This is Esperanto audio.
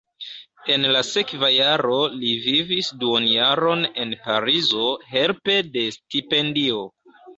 En la sekva jaro li vivis duonjaron en Parizo helpe de stipendio.